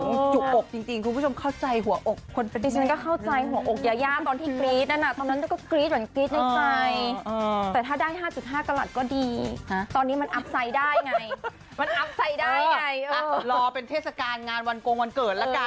อึงจุกอกจริงคุณผู้ชมเข้าใจหัวอก